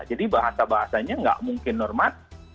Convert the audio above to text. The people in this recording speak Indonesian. jadi bahasa bahasanya enggak mungkin normat